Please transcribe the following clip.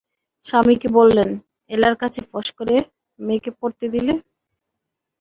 স্বামীকে বললেন, এলার কাছে ফস করে মেয়েকে পড়তে দিলে!